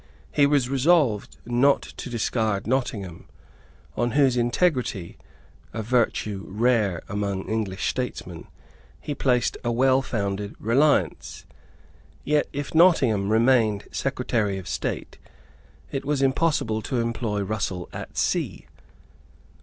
He was resolved not to discard Nottingham, on whose integrity, a virtue rare among English statesmen, he placed a well founded reliance. Yet, if Nottingham remained Secretary of State, it was impossible to employ Russell at sea.